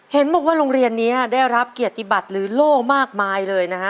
เห็นบอกว่าโรงเรียนนี้ได้รับเกียรติบัติหรือโล่งมากมายเลยนะฮะ